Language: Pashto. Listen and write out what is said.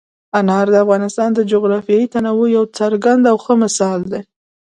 انار د افغانستان د جغرافیوي تنوع یو څرګند او ښه مثال دی.